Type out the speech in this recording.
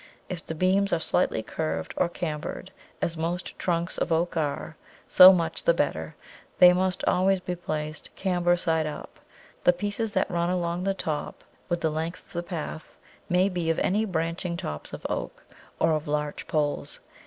If the beams are slightly curved or cambered, as most trunks of oak are, so much the better, but they must always be placed camber side up. The pieces that run along the top, with the length of the path, may be of any branching tops of oak, or of larch poles.